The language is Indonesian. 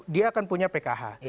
dia akan punya pkh